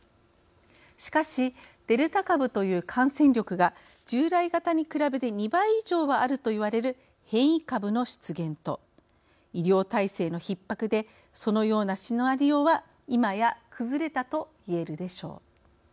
しかしデルタ株という感染力が従来型に比べて２倍以上はあるといわれる変異株の出現と医療体制のひっ迫でそのようなシナリオはいまや崩れたといえるでしょう。